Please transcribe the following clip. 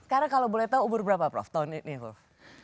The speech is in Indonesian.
karena kalau boleh tahu umur berapa prof tahun ini prof